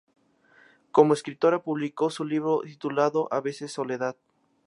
Como escritora publico su libro titulado "A veces soledad".